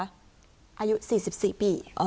อายุ๔๔ปี